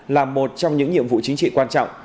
là một trong những nhiệm vụ chính trị quan trọng